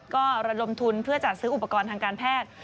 ก็ระดมทุนเพื่อจัดซื้ออุปกรณ์ทางการแพทย์